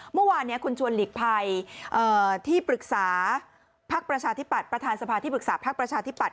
เมื่อวานคุณชวนหลีกภัยที่ปรึกษาภาคประชาธิบัตร